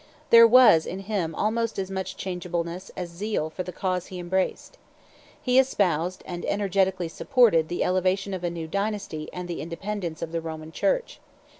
There was in him almost as much changeableness as zeal for the cause he embraced. He espoused and energetically supported the elevation of a new dynasty and the independence of the Roman Church.